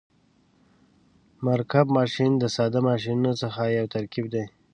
مرکب ماشین د ساده ماشینونو څخه یو ترکیب دی.